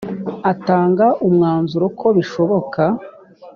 atanga umwanzuro ko bishoboka